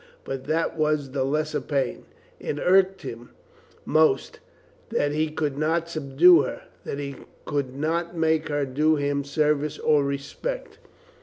But that was the lesser pain. It irked most that he could not subdue her, that he could not make her do him service or respect.